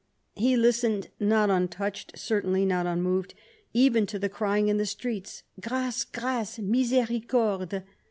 He Hstened, not untouched certainly, but unmoved, even to the crying in the streets— " Grace, grace ! Misericorde